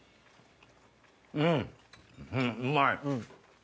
うんうんうまい。